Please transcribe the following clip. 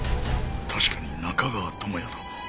確かに中川智哉だ